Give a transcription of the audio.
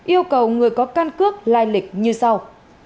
yêu cầu người có căn cước lai lịch như sau